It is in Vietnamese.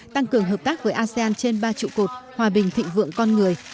tăng cường hợp tác với asean trên ba trụ cột hòa bình thịnh vượng con người